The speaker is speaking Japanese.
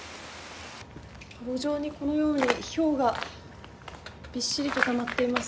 路上にこのように、ひょうがびっしりとたまっています。